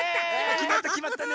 きまったきまったね。